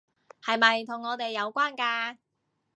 係咪同我哋有關㗎？